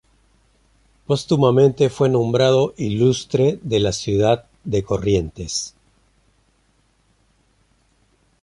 Póstumamente fue nombrado "Ciudadano Ilustre" de la ciudad de Corrientes.